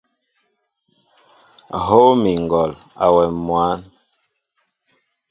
Hów mi ŋgɔl awɛm mwǎn.